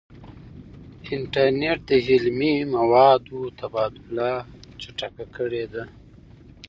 انټرنیټ د علمي موادو تبادله چټکه کړې ده.